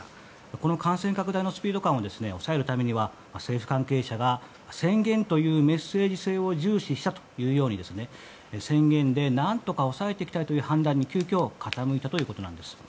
この感染拡大のスピード感を抑えるためには政府関係者が宣言というメッセージ性を重視したというように、宣言で何とか抑えたいという判断に急きょ傾いたということなんです。